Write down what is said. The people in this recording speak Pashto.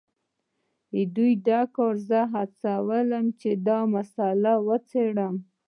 دې کار زه وهڅولم چې دا مسله وڅیړم